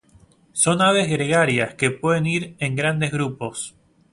Son aves gregarias que pueden ir en grandes grupos.